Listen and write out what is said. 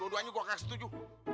dua duanya gue akan setuju